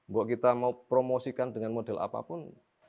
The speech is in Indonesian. buat kita mau promosikan dengan model apapun